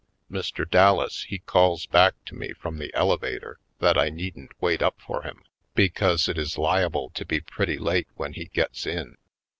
Mr. Dallas he calls back to me from the elevator that I needn't wait up for him because it is liable to be pretty late when he gets in.